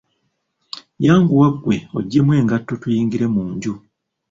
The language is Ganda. Yanguwa gwe oggyemu engato tuyingire mu nju.